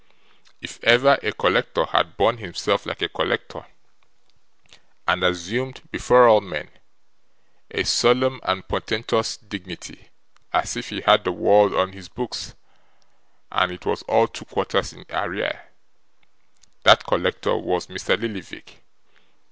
If ever a collector had borne himself like a collector, and assumed, before all men, a solemn and portentous dignity as if he had the world on his books and it was all two quarters in arrear, that collector was Mr. Lillyvick.